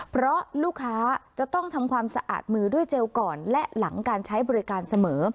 เพราะลูกค้าจะต้องทำความสะอาดมือด้วยเจลก่อนและหลังการใช้บริการเสมอ